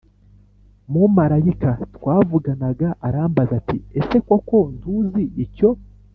Mumarayika twavuganaga arambaza ati ese koko ntuzi icyo